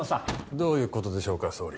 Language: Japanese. どういうことでしょうか総理。